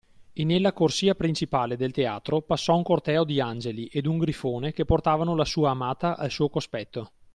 E nella corsia principale del teatro passò un corteo di angeli ed un grifone che portavano la sua amata al suo cospetto.